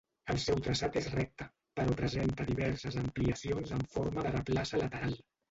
El seu traçat és recte, però presenta diverses ampliacions en forma de replaça lateral.